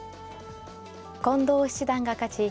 近藤七段が勝ち